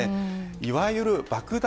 いわゆる爆弾